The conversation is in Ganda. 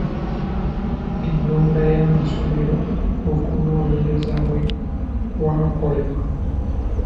Ennonda y’amasomero okunoonyereza mwe kwakolebwa.